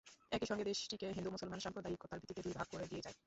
একই সঙ্গে দেশটিকে হিন্দু-মুসলমান সাম্প্রদায়িকতার ভিত্তিতে দুই ভাগ করে দিয়ে যায়।